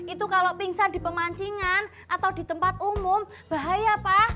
itu kalau pingsan di pemancingan atau di tempat umum bahaya pak